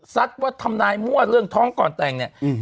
สัตว์ว่าธรรมนายง์มั่วเรื่องท้องก่อนแต่งเนี่ย